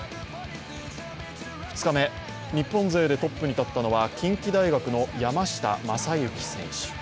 ２日目、日本勢でトップに立ったのは近畿大学の山下勝将選手。